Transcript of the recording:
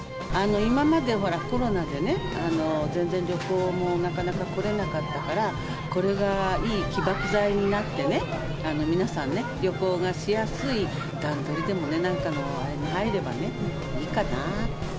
今まで、コロナでね、全然旅行もなかなか来れなかったから、これがいい起爆剤になってね、皆さんね、旅行がしやすい段取りでもね、何かのあれになればね、いいかなって。